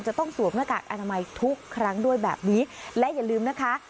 ต้องสวมหน้ากากอนามัยทุกครั้งด้วยแบบนี้และอย่าลืมนะคะ